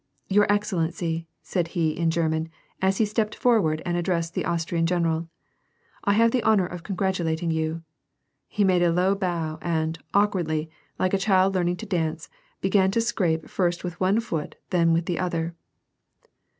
"Your excellency," said he, in German, as he stepped for ward and addressed the Austrian general, " I have the honor of congratulating you." He made a low bow, and, awkwardly, like a child learning to dance, began to scrape first with one foot then with the other.